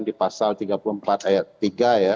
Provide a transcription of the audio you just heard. di pasal tiga puluh empat ayat tiga ya